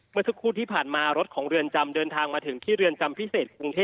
เมื่อสักครู่ที่ผ่านมารถของเรือนจำเดินทางมาถึงที่เรือนจำพิเศษกรุงเทพ